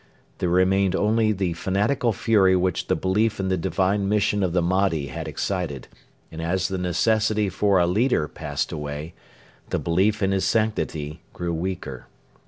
There remained only the fanatical fury which the belief in the divine mission of the Mahdi had excited; and as the necessity for a leader passed away, the belief in his sanctity grew weaker.